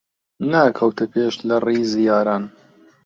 نەئەکەوتە پێش لە ڕیزی یاران